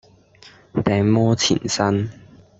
病魔纏身